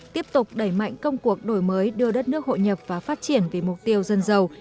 tiếp tục đẩy mạnh công cuộc đổi mới đưa đất nước hội nhập và phát triển vì mục tiêu dân giàu